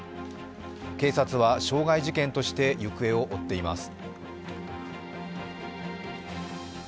警察は傷害事件として行方を追っています。